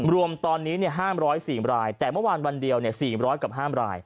รวมตอนนี้ห้ามร้อยสีรายแต่เมื่อวานวันเดียวสีร้อยกับห้ามราย